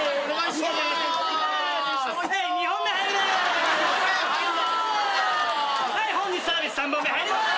本日サービス３本目入ります！